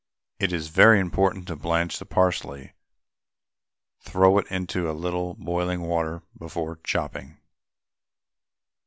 It is very important to blanch the parsley, i.e., throw it into a little boiling water before chopping.